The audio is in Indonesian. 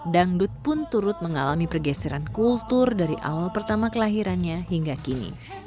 dangdut pun turut mengalami pergeseran kultur dari awal pertama kelahirannya hingga kini